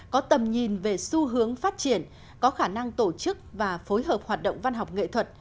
có tầm nhìn về xu hướng phát triển có khả năng tổ chức và phối hợp hoạt động văn học nghệ thuật